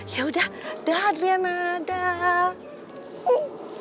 ya udah da da adriana da da